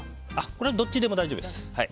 これはどっちでも大丈夫です。